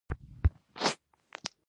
دوی په غرونو کې کلاګانې لرلې